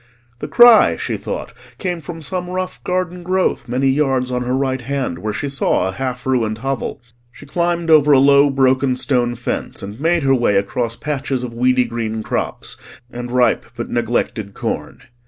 The cry, she thought, came from some rough garden growth many yards on her right hand, where she saw a half ruined hovel. She climbed over a low broken stone fence, and made her way across patches of weedy green crops and ripe but neglected corn.